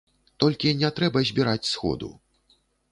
Толькі не трэба збіраць сходу.